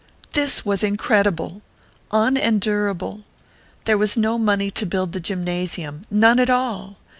This was incredible! Unendurable! There was no money to build the gymnasium none at all!